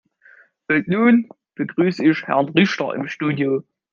Und nun begrüße ich Herrn Richter im Studio.